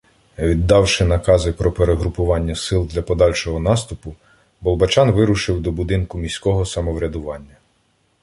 Віддавши накази про перегрупування сил для подальшого наступу, Болбочан вирушив до будинку міського самоврядування.